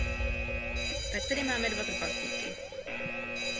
Tak tedy máme dva trpaslíky.